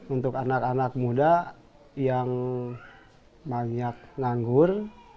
untuk anak anak muda yang banyak nganggur